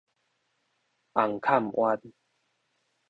紅磡灣